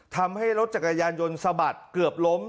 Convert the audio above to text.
ทำให้รถจักรยานยนต์สะบัดเกือบล้ม